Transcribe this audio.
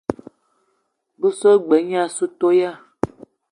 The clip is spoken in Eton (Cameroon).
Be so g-beu gne assou toya.